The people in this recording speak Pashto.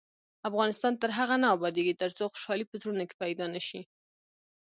افغانستان تر هغو نه ابادیږي، ترڅو خوشحالي په زړونو کې پیدا نشي.